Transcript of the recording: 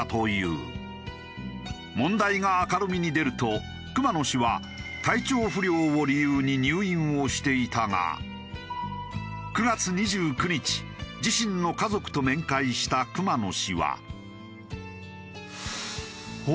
問題が明るみに出ると熊野氏は体調不良を理由に入院をしていたが９月２９日と謝罪したという。